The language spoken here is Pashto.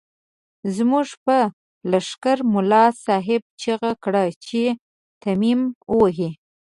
زموږ په لښکر ملا صاحب چيغه کړه چې تيمم ووهئ.